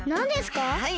はい。